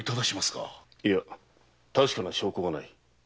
いや確かな証拠がない。